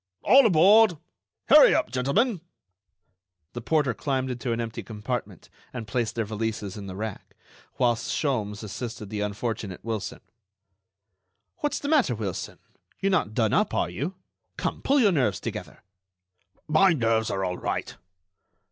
"All aboard. Hurry up, gentlemen!" The porter climbed into an empty compartment and placed their valises in the rack, whilst Sholmes assisted the unfortunate Wilson. "What's the matter, Wilson? You're not done up, are you? Come, pull your nerves together." "My nerves are all right."